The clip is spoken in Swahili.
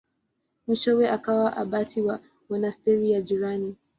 Mwishowe akawa abati wa monasteri ya jirani.